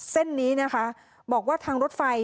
เส้นนี้นะคะบอกว่าทางรถไฟ